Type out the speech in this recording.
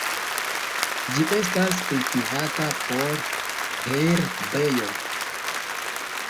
Ĝi estas kultivata por herbejo.